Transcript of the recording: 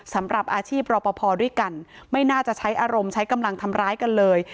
สำหรับอาชีพรอปภด้วยกันไม่น่าจะใช้อารมณ์ใช้กำลังทำร้ายกันเลย